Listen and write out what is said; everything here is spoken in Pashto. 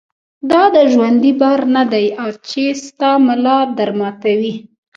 دا د ژوند بار نه دی چې ستا ملا در ماتوي.